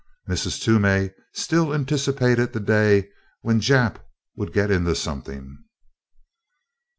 Mrs. Toomey still anticipated the day when "Jap would get into something."